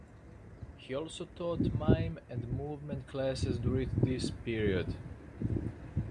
He also taught mime and movement classes during this period.